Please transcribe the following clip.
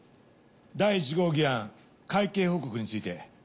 第１号議案会計報告について。